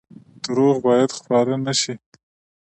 دروغ باید خپاره نشي